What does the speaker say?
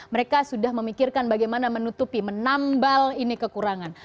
mereka sudah memikirkan bagaimana menutupi menambal ini kekurangan